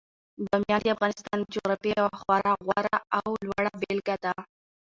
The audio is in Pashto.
بامیان د افغانستان د جغرافیې یوه خورا غوره او لوړه بېلګه ده.